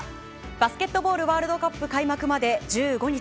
バスケットボールワールドカップ開幕まで１５日。